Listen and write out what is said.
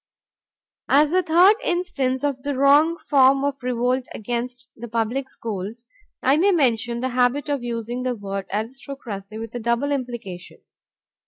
As a third instance of the wrong form of revolt against the public schools, I may mention the habit of using the word aristocracy with a double implication.